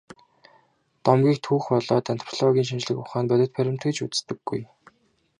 Домгийг түүх болоод антропологийн шинжлэх ухаанд бодит баримт гэж үздэггүй.